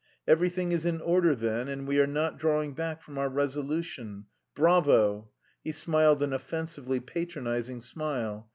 "Everything is in order, then, and we are not drawing back from our resolution. Bravo!" He smiled an offensively patronising smile.